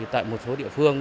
tại một số địa phương